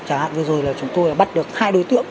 chẳng hạn như rồi là chúng tôi bắt được hai đối tượng